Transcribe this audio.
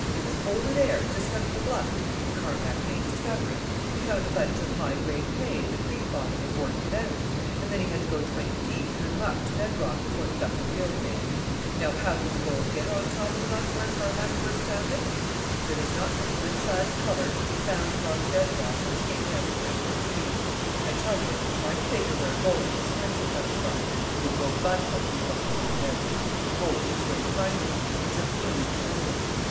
It was over there, just under the bluff, that Carmack made discovery. He found a bunch of high grade pay in the creek bottom and worked it out; and then he had to go twenty feet through the muck to bed rock before he got the real thing. Now, how did the gold get on top of the muck where Carmack first found it? There has not been a good sized colour found above bed rock on any other claim on the creek. I tell you if you try to figure where gold in this country comes from, you'll go bughouse before you find out. Gold is where you find it. It's a blooming conundrum.